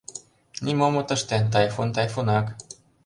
Нимом от ыште, тайфун — тайфунак!